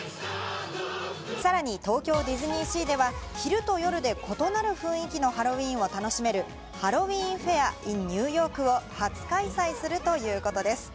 さらに東京ディズニーシーでは、昼と夜で異なる雰囲気のハロウィーンを楽しめるハロウィーンフェア・イン・ニューヨークを初開催するということです。